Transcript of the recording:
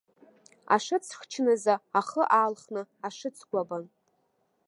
Ашыц хчныза ахы аалхны, ашыц гәабан.